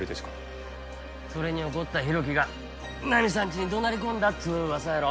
それに怒った浩喜がナミさんちに怒鳴り込んだっつう噂やろ。